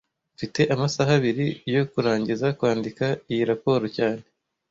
Mfite amasaha abiri yo kurangiza kwandika iyi raporo cyane